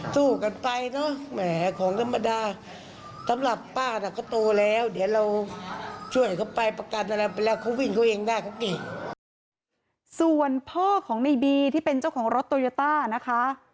ส่วนพ่อของในบีที่เป็นเจ้าของรถโตโยต้านะคะ